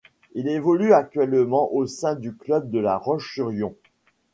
Il évolue actuellement au sein du club de la Roche-sur-Yon.